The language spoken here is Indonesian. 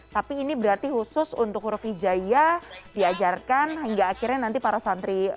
tapi ini berarti khusus untuk huruf hijaya diajarkan hingga akhirnya nanti para santri